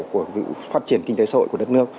của phát triển kinh tế sội của đất nước